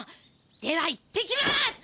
では行ってきま。